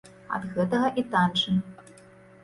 Ад гэтага і танчым!